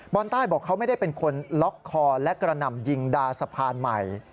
อนใต้บอกเขาไม่ได้เป็นคนล็อกคอและกระหน่ำยิงดาสะพานใหม่